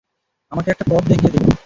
আমাকে একটা পথ দেখিয়ে দিন।